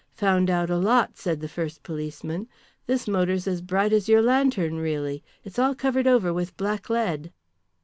"Found out a lot," said the first policeman. "This motor's as bright as your lantern really, It's all covered over with blacklead."